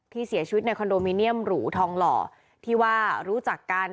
เสียชีวิตในคอนโดมิเนียมหรูทองหล่อที่ว่ารู้จักกัน